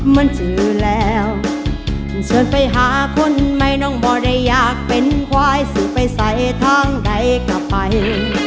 มันเจอแล้วเชิญไปหาคนไหมน้องบ่ได้อยากเป็นควายซื้อไปใส่ทางใดกลับไป